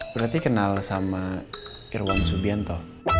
berarti kenal sama irwan subianto